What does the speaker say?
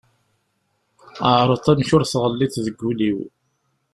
Ԑreḍ amek ur tɣelliḍ deg ul-iw.